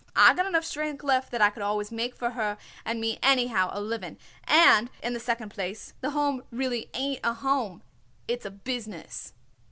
I got enough strength left that I could always make for her and me anyhow a living, and, in the second place, the Home really ain't a home. It's a business."